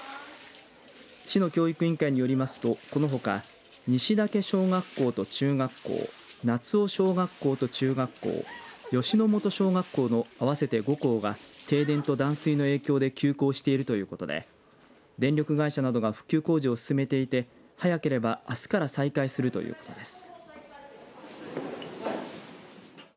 市の教育委員会によりますとこのほか西岳小学校と中学校夏尾小学校と中学校吉之元小学校の合わせて５校が停電と断水の影響で休校しているということで電力会社などが復旧工事を進めていて早ければ、あすから再開するということです。